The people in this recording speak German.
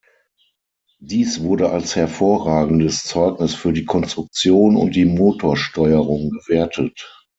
Dies wurde als hervorragendes Zeugnis für die Konstruktion und die Motorsteuerung gewertet.